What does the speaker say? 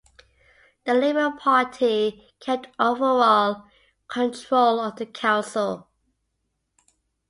The Labour Party kept overall control of the council.